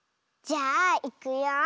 じゃあいくよ。